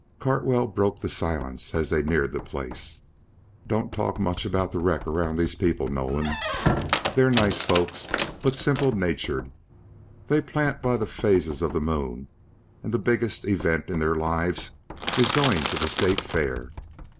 Cartwell broke the silence as they neared the place. "Don't talk much about the wreck around these people, Nolan. They're nice folks, but simple natured. They plant by the phases of the moon and the biggest event in their lives is going to the state fair.